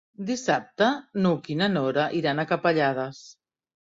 Dissabte n'Hug i na Nora iran a Capellades.